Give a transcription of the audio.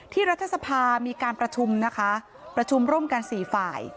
รัฐสภามีการประชุมนะคะประชุมร่วมกันสี่ฝ่าย